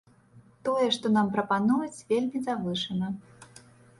Тое, што нам прапануюць, вельмі завышана.